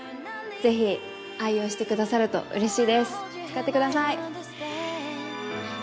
ぜひ愛用してくださるとうれしいです使ってください。